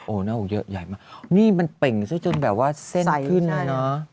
โอ้ยหน้าอกเยอะใหญ่มากนี่มันเป็นซึ่งบรรทีจนแบบว่าเส้นขึ้นนี่นะ